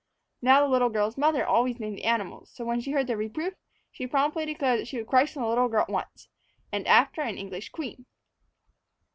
Now, the little girl's mother always named the animals, so, when she heard their reproof, she promptly declared that she would christen the little girl at once and after an English queen.